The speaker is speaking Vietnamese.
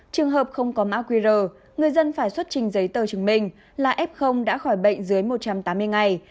trường hợp không có mã qr người dân phải xuất trình giấy tờ chứng minh là f đã khỏi bệnh dưới một trăm tám mươi ngày